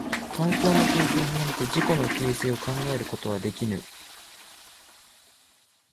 環境の形成を離れて自己の形成を考えることはできぬ。